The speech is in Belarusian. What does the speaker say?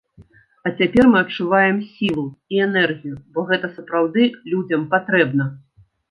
А цяпер мы адчуваем сілу і энергію, бо гэта сапраўды людзям патрэбна.